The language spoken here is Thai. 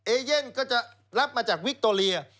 เอเย่นก็จะรับมาจากวิคโตเรีย